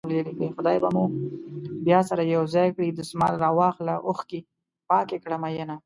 خدای به مو بيا سره يو ځای کړي دسمال راواخله اوښکې پاکې کړه مينه